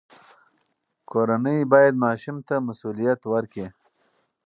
کورنۍ باید ماشوم ته مسوولیت ورکړي.